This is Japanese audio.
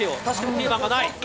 ピーマンがない！